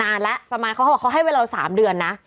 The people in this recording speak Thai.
นานแหละประมาณเขาบอกว่าเขาให้เวลา๓เดือนนะ